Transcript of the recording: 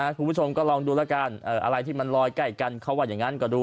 คุณผู้ชมก็ลองดูแล้วกันอะไรที่มันลอยใกล้กันเขาว่าอย่างนั้นก็ดู